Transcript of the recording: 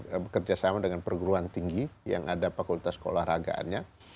dan kami akan bekerjasama dengan perguruan tinggi yang ada fakultas olahragaannya